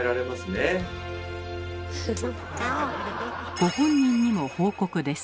ご本人にも報告です。